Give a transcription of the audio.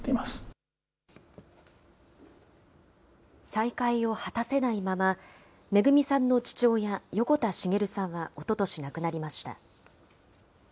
再会を果たせないまま、めぐみさんの父親、横田滋さんはおととし亡くなりました。